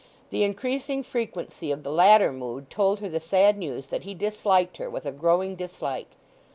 The increasing frequency of the latter mood told her the sad news that he disliked her with a growing dislike.